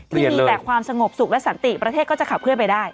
ที่มีแต่ความสงบสุขและสันติประเทศก็จะขับเคลื่อนไปได้